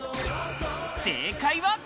正解は。